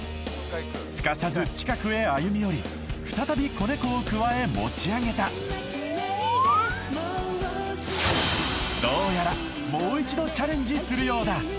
すかさず近くへ歩み寄り再び子猫をくわえ持ち上げたどうやらするようだ